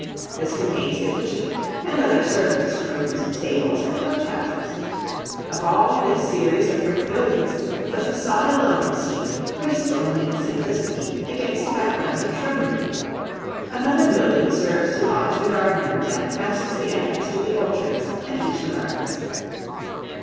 This contains the kitchen, and other servants' rooms, stables, and coach houses. Of all this series of brick buildings, the facade alone is seen, graceful in its simplicity, against a background of shrubbery. Another building serves to lodge the gardeners and masks the entrance to the orchards and kitchen gardens.